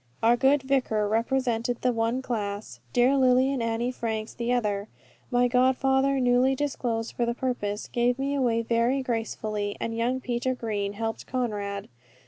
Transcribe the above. Our good vicar represented the one class, dear Lily and Annie Franks the other. My godfather, newly disclosed for the purpose, gave me away very gracefully, and young Peter Green helped Conrad.